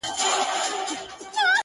ښه او بد د قاضي ټول ورته عیان سو،